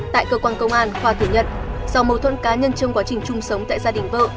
tại cơ quan công an hòa thừa nhận do mâu thuẫn cá nhân trong quá trình chung sống tại gia đình vợ